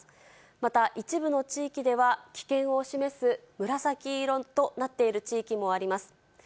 また一部の地域では、危険を示す紫色となっている地域もあります。